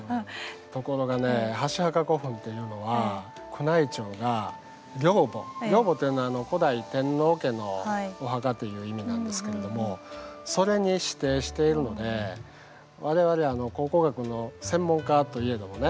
ところがね箸墓古墳っていうのは宮内庁が陵墓陵墓っていうのは古来天皇家のお墓という意味なんですけれどもそれに指定しているので我々考古学の専門家といえどもね